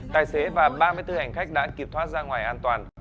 tài xế và ba mươi bốn hành khách đã kịp thoát ra ngoài an toàn